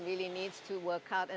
pemerintah perlu lakukan